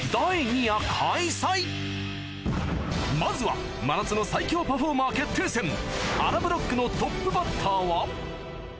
まずは真夏の最強パフォーマー決定戦あらブロックのトップバッターは？